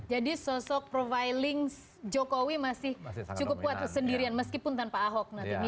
jadi sosok profiling jokowi masih cukup kuat kesendirian meskipun tanpa ahok nanti